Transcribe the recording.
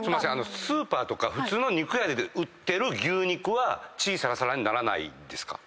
スーパーとか普通の肉屋で売ってる牛肉は血サラサラにならないですか？